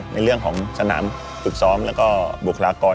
ในเรื่องของสนามพฤกษออีกและการบวกลากร